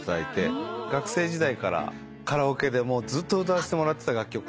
学生時代からカラオケでずっと歌わせてもらってた楽曲で。